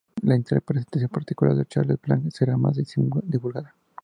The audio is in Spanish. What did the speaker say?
La interpretación particular de Charles Blanc será más divulgada.